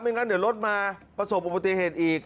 ไม่อย่างนั้นเดี๋ยวรถมาประสบปกติเหตุอีก